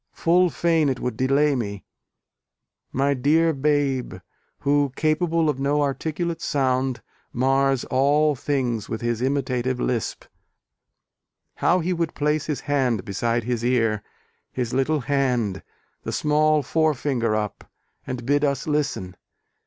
Full fain it would delay me! My dear babe, Who, capable of no articulate sound, Mars all things with his imitative lisp, How he would place his hand beside his ear, His little hand, the small forefinger up, And bid us listen!